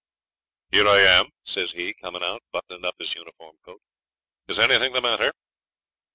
'Here I am,' says he, coming out, buttoning up his uniform coat. 'Is anything the matter?'